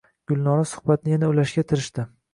Gulnora suhbatni yana ulashga tirishdi: